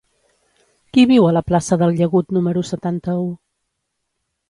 Qui viu a la plaça del Llagut número setanta-u?